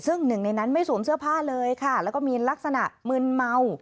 ซึ่งหนึ่งในนั้นไม่สวมเสื้อผ้าเลยค่ะแล้วก็มีลักษณะมึนเมา